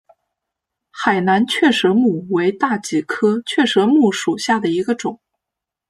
海南雀舌木为大戟科雀舌木属下的一个种。